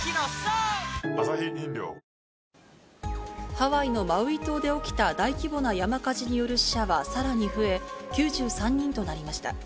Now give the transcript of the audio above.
ハワイのマウイ島で起きた大規模な山火事による死者はさらに増え、９３人となりました。